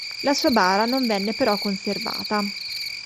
La sua bara non venne però conservata.